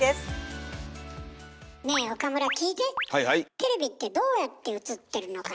テレビってどうやって映っているのか